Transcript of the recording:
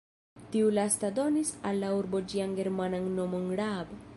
Tiu lasta donis al la urbo ĝian germanan nomon Raab.